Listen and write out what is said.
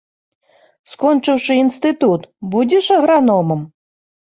Скончыўшы інстытут, будзеш аграномам?